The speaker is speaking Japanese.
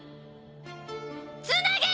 つなげ！